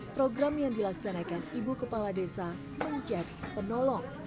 program yang dilaksanakan ibu kepala desa menjadi penolong